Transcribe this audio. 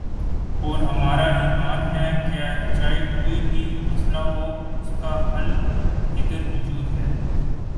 اور ہمارا ایمان ہے کہ چاہے کوئی بھی مسئلہ ہو اسکا حل ادھر موجود ہے